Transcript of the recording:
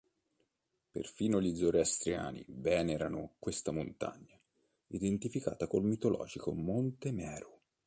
Perfino gli zoroastriani venerano questa montagna, identificata col mitologico Monte Meru.